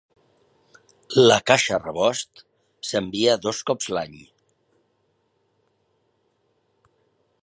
La caixa "rebost" s'envia dos cops l'any.